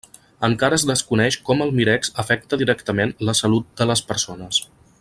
Encara es desconeix com el mirex afecta directament la salut de les persones.